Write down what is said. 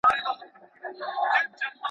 که شعور وي، نو زموږ ټولنه به د نړۍ سياله سي.